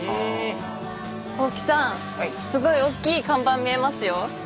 すごい大きい看板見えますよ。